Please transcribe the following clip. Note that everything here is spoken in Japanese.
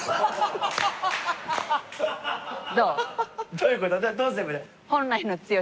どういうこと？